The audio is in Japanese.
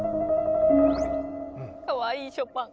かわいいショパン。